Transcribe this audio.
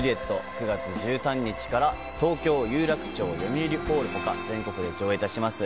９月１３日から東京・有楽町よみうりホール他全国で上演します。